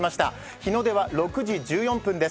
日の出は６時１３分です